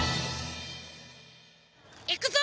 いくぞ！